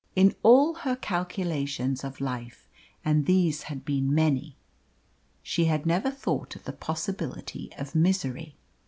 In all her calculations of life and these had been many she had never thought of the possibility of misery.